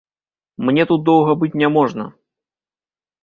Мне тут доўга быць няможна.